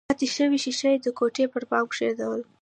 ماته شوې ښيښه يې د کوټې پر بام کېښوده